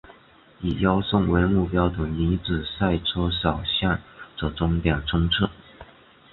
以优胜为目标的女子赛车手向着终点冲刺！